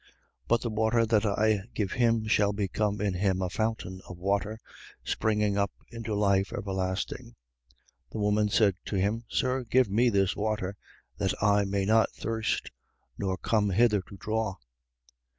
4:14. But the water that I will give him shall become in him a fountain of water, springing up into life everlasting. 4:15. The woman said to him: Sir, give me this water, that I may not thirst, nor come hither to draw.